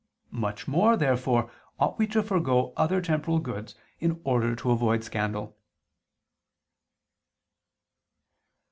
Much more, therefore, ought we to forego other temporal goods in order to avoid scandal.